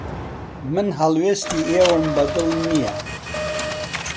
من هەڵوێستی ئێوەم بەدڵ نییە.